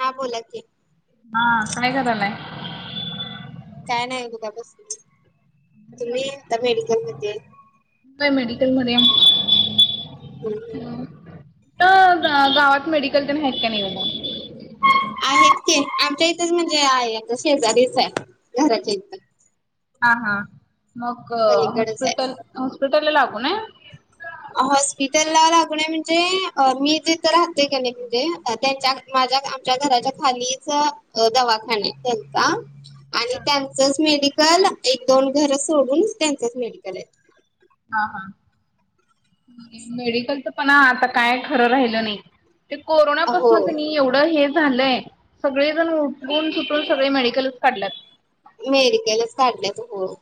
हा बोला की हा काय करालाय काय नाही बघा बसलोय तुम्ही आता मेडिकलमध्ये तू काय मेडिकल मध्ये तर गावात मेडिकल आहेत की नाही गं आहेत की आमच्या इथंच म्हणजे आहे आता शेजारीच आहे घराच्या इथं हा हा मग पलीकडेच आहे. हॉस्पिटल हॉस्पिटलला लागून हाय हॉस्पिटलला लागून म्हणजे मी जिथं राहतोय की नाही म्हणजे त्यांच्या माझ्या आमच्या घराच्या खालीच अ दवाखाना तेंचा. आणि त्यांचच मेडिकल एक दोन घरं सोडून त्यांचच मेडिकल आहे. हां हा मेडिकलच पण आतां काय खरं राहिलं नाही. ते कोरोनापासन क होय नाही एवढं हे झालंय सगळे जण उठून सुटून सगळे मेडिकलच काढल्यात मेडिकलच काढल्यात गं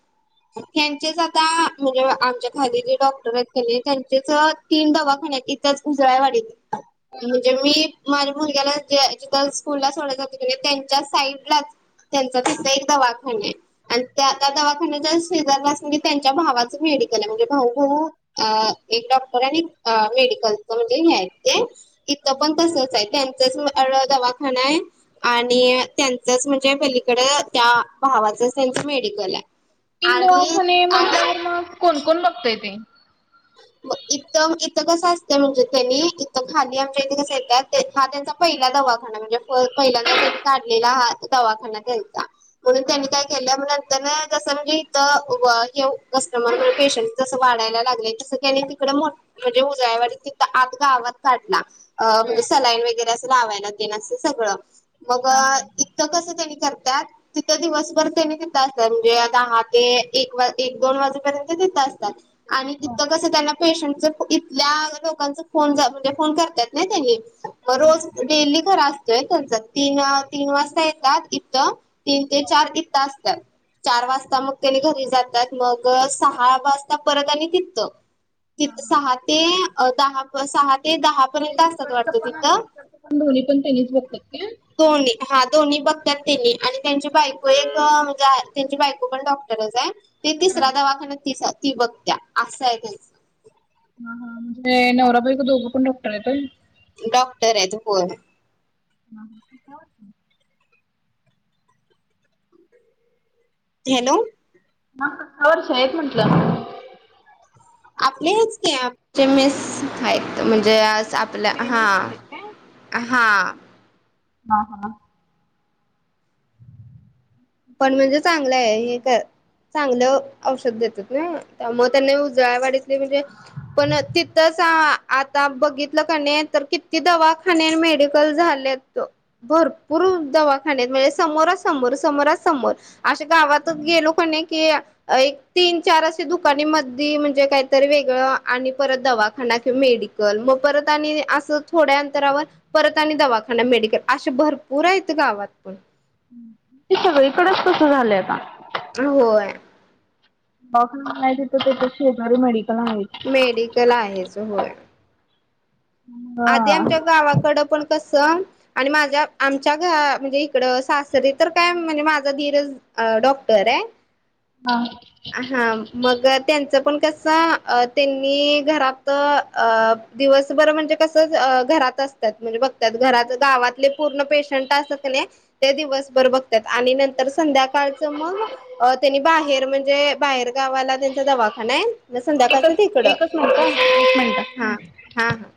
थॅक्यू काका म्हणजे आमच्या खाली जे डॉक्टर आहेत की नाही त्यांचेच तीन दवाखान्यात तिथंच उजळ्यावाडीत [inaudible] [unintelligible] मी माझ्या मुलग्याला जे जिथं स्कूलला सोडायला जातोय की नाही त्यांच्या साईडला त्यांचा खाटायं दवाखाने आणि त्या त्या दवाखान्याच्या शेजारलास [unintelligible] त्यांच्या भावाचं मेडिकल आहे म्हणजे भाऊ भाऊ अहं एक डॉक्टर आणि अ मेडिकलच म्हणजे हे आहेत ते इतं पण तसंचयं त्यानं इथंच एवढा दवाखाना हाय आणि त्यांचच म्हणजे पलीकडं त्या भावाचं सेल्फ मेडिकल हाय. तीन दवाखाने मंग कोण कोण बघतयं ते मग इथं इथं कसं असतं म्हणजे त्यांनी इथं खाली आमच्या इथे कसं येत्यात हा ते तेंचा पहिला दवाखाना म्हणजे प पहिल्यांदा त्यांनी काढलेला हा दवाखाना तेंचा म्हणून त्यांनी काय केलं नंतरनं जसं म्हणजे इथं वं हे कस्टमर म्हण पेशंट जसं वाढायला लागलाय तसं त्याने तिकड मो म्हणजे उजळायवाडीत आत गावात काढला. अ म्हणजे सलाईन वगैरे असं लावायला तेन असं सगळं मग हा हा. त कसं त्यांनी करतात. तिथं दिवसभर तेनी तिथं असतात म्हणजे दहा ते एक एक दोन वाजेपर्यंत तिथं असतात. आणि तितं कसं त्यांना पेशंटच इथल्या लोकांचं फोन जात फोन करत्यात ना त्यांनी म रोज डेली खरा असतोय त्यांचा तीन तीन वाजता येतात इथं तीन ते चार इतं असत्यात. चार वाजता मग त्यानी घरी जातात मग सहा वाजता परत आणि तिथं ति हा हा. सहा ते अ दहा सहा ते दहा पर्यंत असतात इकडचं वाटतं पण आणि तिथं तिकडचं पण दोन्ही पण त्यांनीच बघतात ते दोन्ही हा दोन्ही बघतात तेंनी आणि त्यांची बायको एक म्हणजे त्यांची बायको पण डॉक्टरच हाय. ते तिसरा दवाखाना तीचा ती बगतीया असयं आहे तेचं हा हा म्हणजे नवरा बायको दोघं पण डॉक्टर आहेत होय. डॉक्टर आहेत होय. [inaudible] हॅलो. म [unintelligible] वर्ष येत म्हटलं. आपलेच कॅप चे मिस हायेत म्हणजे आपलं हा हां. हा हा. पण म्हणजे चांगलयं हे कर. चांगलं औषध देतात ना त्यामुळं त्यांना उजळायावाडीत. ते म्हणजे पण तिथंच आता बघितलं क नी तर कित ती दवाखाने मेडिकल झालेत. भरपूर दवाखान्यात म्हणजे समोरा समोर समोरा समोर अशे गावातच गेलो कणे की एक तीन चार असे दुकानीमधी म्हणजे काहीतरी वेगळं आणि परत दवाखाना किंवा मेडिक मग परत आणि असं थोड्या अंतरावर परत आणि दवाखाना मेडिकल अशे भरपूर आहेत गावात पण ते सगळीकडच कसं झालंय आता होय डॉक माहिती तर त्याच्या शेजारी मेडिकल आहे मेडिकल आहे होय. आधी हा आमच्या गावाकडं पण कसं. आणि माझ्या आमच्या घ म्हणजे इकडं सासरी तर काय म्हणजे माझं धीरंच अहं डॉक्टरयं आं हां मग त्यांचं पण कसं अ तेंनी घरात अहं दिवसभर म्हणजे कस घरात असतात म्हणजे बघत्या त -गावातले पूर्ण पेशंट अस नाही ते दिवसभर बघतात आणि नंतर संध्याकाळच मग अ त्यांनी बाहेर म्हणजे बाहेर गावाला त्यांचा दवाखाना आहे संध्याकाळच एकच तिकडं एकच मिनिट अस एक मिनिट. हा हा हा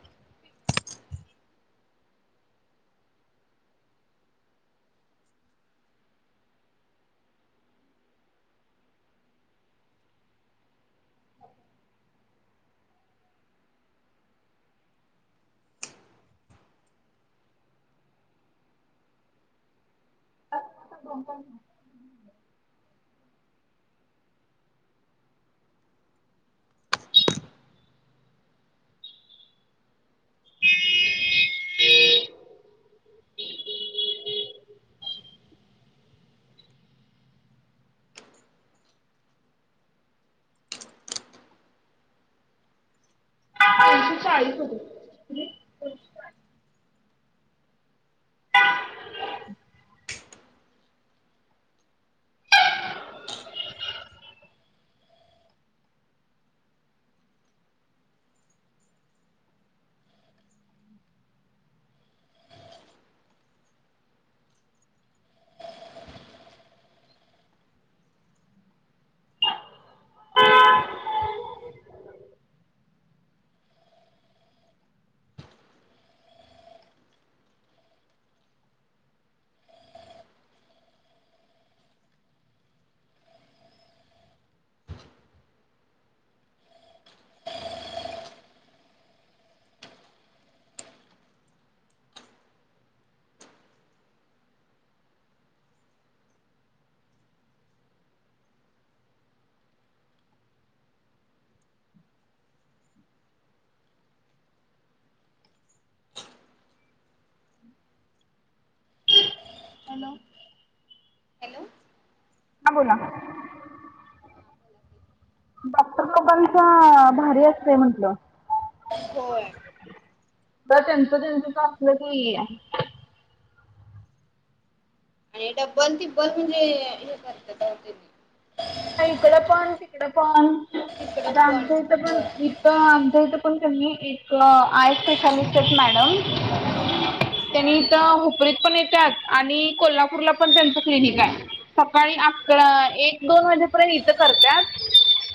दो का चाळी हो हॅलो हॅलो हां बोला ह डॉक्टर लोकांचं भारी असतेय म्हंटलं हो ब त्यांचं त्यांचं कलंच आहे आणि डब्बल तिब्बल म्हणजे हे करतते इकडे पण तिकड पण तिकडे आता पण आमच्या इथं पण होय तर आमच्या इथं पण त्यांनी एक आय स्पेसिऍलिस्ट आहेत मॅडम त्यांनी इथ हुपरीत पण येतात आणि कोल्हापूरला पण त्यांचं क्लिनिक आहे सकाळी अकरा एक दोन वाज इथ करत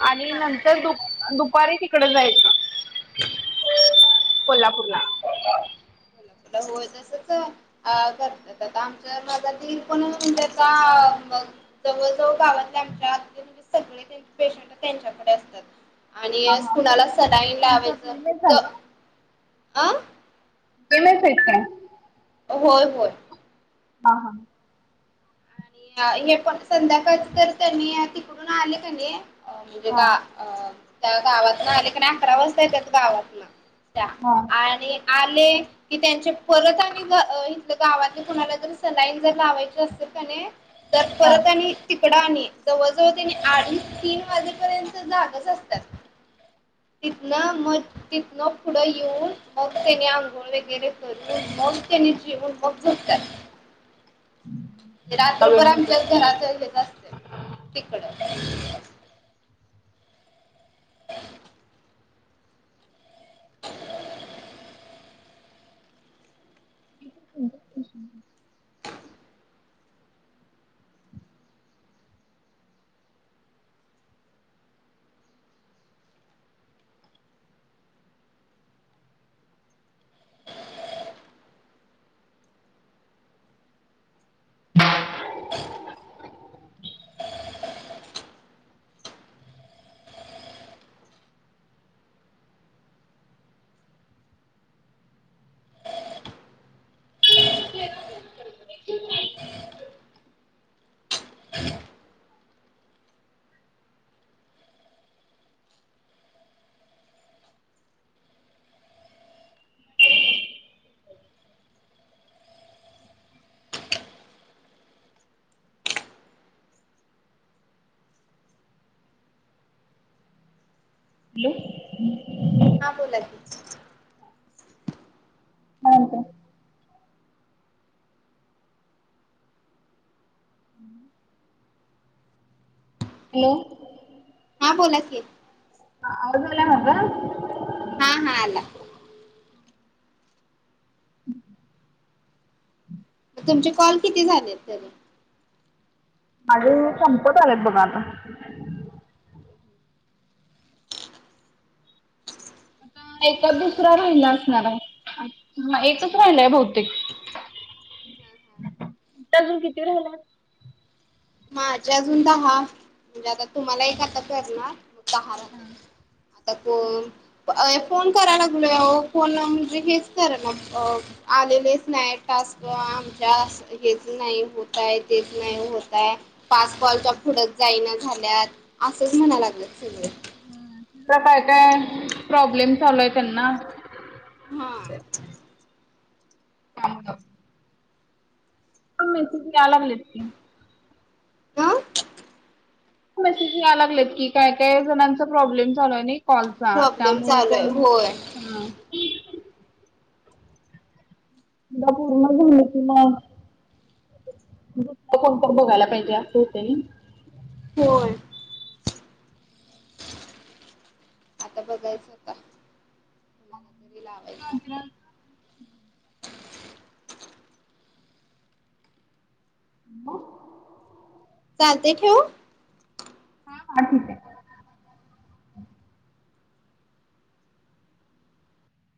आणि नंतर दु दुपारी तिकड जायचं कोल्हापूरला तुला होय तसच अ करतात आता आमच्या भागातील तर कोण त्याचा म जवळ जवळ गावातल्या आमच्या ह सगळे पेशंट त्यांच्याकडे असतात आणि कुणाला सलाईन लावायचं अ तुम्ही फिट आहे होय होय हा हा हे पण संध्याकाळळी तर त्यांनी तिकडून आले का नाही अ म्हणजे गा अ त्या गावात ना आलेक अकरा वाजता य त्या गावातन त्या हा आणि आले कि त्यांचे परत आ् इथ गावातले कुणाला ज सलाईन जर लावायची असतल का तर परत आणि तिकडं आणि जवळजवळ त्यांनी अडी तीन वाजेपर्यंत जागच असतात इतना मत तिथनग पुढं येऊन मग त्याने आंघोळ वगैरे करून मग त्याने जेवून मग झोप्त्यात रात्रभर आमच्या घराच हेेत असते तिकड अच् हॅलो हा बोला त हा का हॅलो हा बोला क ह हदला मग हा हा आला तुमचे कॉल किती झालेत तरी माझे संपत आलेत बघा आता एच दुसरा राहिला असणार आहे एकच राहिलाय बहुतेक अजून किती राहिला माझ्या अजून दहा म्हणजे आता तुम्हाला एक आता फेरणार आता त फोन करायला लागलो या फोन म्हणजे हेच करा ना आलेलेच नाईट टास्क आमच्या हेच नाही होत आहे तेच नाही होत आहे फस्टबॉलच्या फुडत जाईना झाल्यात असंच म्हणा लागलं सगळं काय काय प्रॉब्लेम चालव आहे त्यांना हा हांत पण मेी अलागले की ह मेसेज यायला लागलेत की काय काय जणांचा प्रॉब्लेम झालाय नाही कॉलचा प्रॉब्लेम त्यामुळे चालू आहे कोण होय ह दा पूर्ण झालं किला कोण पण बघायला पाहिजे अस होते. होय आता बघायचं का? हर ह चालते ठेऊ. हा हकीक आहे.